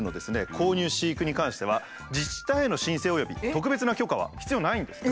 購入飼育に関しては自治体への申請および特別な許可は必要ないんですって。